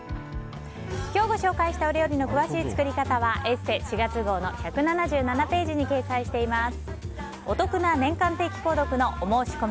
今日ご紹介したお料理の詳しい作り方は「ＥＳＳＥ」４月号の１７７ページに掲載しています。